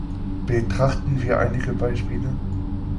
Betrachten wir einige Beispiele.